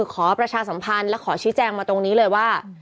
ประชาสัมพันธ์และขอชี้แจงมาตรงนี้เลยว่า